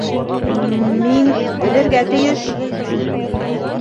М-мин белергә тейеш!